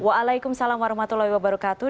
waalaikumsalam warahmatullahi wabarakatuh